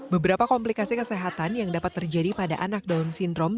beberapa komplikasi kesehatan yang dapat terjadi pada anak down syndrome